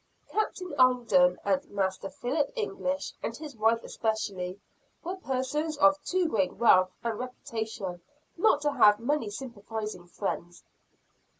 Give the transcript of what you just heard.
Captain Alden and Master Philip English and his wife especially, were persons of too great wealth and reputation not to have many sympathizing friends.